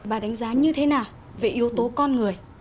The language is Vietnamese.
bà đánh giá như thế nào về yếu tố con người